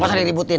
gak usah diributin